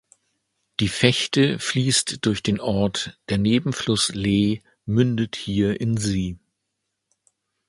Die Vechte fließt durch den Ort, der Nebenfluss Lee mündet hier in sie.